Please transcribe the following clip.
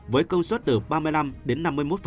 với công suất từ ba mươi năm đến năm mươi một